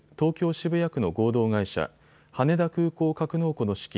渋谷区の合同会社、羽田空港格納庫の資金